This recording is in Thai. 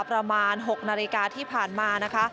ประมาณ๖นาฬิกาที่ผ่านมานะคะ